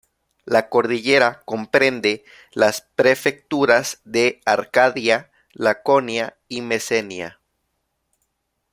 La cordillera comprende las prefecturas de Arcadia, Laconia y Mesenia.